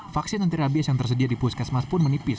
vaksin antirabies yang tersedia di puskesmas pun menipis